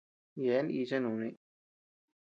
Yeabean icha nuni.